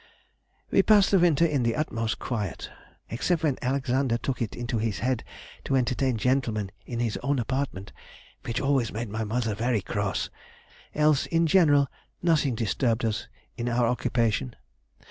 _] "We passed the winter in the utmost quiet, except when Alexander took it into his head to entertain gentlemen in his own apartment, which always made my mother very cross, else in general nothing disturbed us in our occupation.